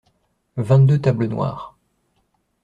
Vingt-deux tables noires.